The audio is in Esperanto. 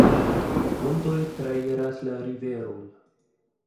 Du pontoj trairas la riveron.